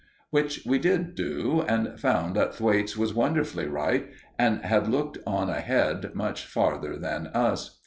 Which we did do, and found that Thwaites was wonderfully right, and had looked on ahead much farther than us.